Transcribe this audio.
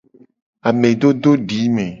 Amedododime.